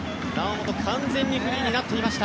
本完全にフリーになっていました。